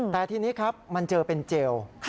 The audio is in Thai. แต่ทีนี้ครับมันเจอเป็นเจล